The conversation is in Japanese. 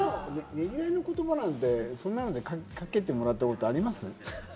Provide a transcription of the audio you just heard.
労いの言葉なんて、そんなのでかけてもらったことあります？